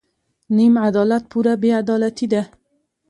نیم عدالت پوره بې عدالتي ده.